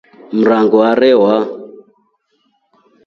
Mrango arewa.